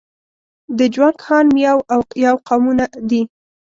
د جوانګ، هان، میاو او یاو قومونه دي.